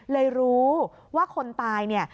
เลยรู้ว่าคนตายเนี่ย